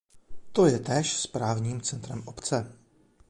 To je též správním centrem obce.